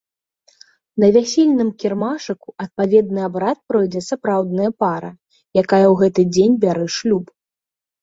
На вясельным кірмашыку адпаведны абрад пройдзе сапраўдная пара, якая ў гэты дзень бярэ шлюб.